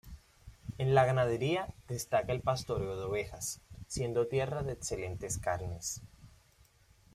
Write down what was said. En la ganadería, destaca el pastoreo de ovejas, siendo tierra de excelentes carnes.